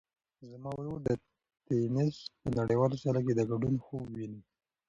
زما ورور د تېنس په نړیوالو سیالیو کې د ګډون خوب ویني.